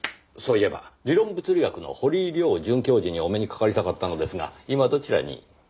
そういえば理論物理学の堀井亮准教授にお目にかかりたかったのですが今どちらに？